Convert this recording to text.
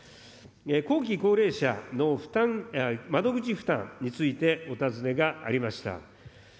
後期高齢者の負担、窓口負担についてお尋ねがありました。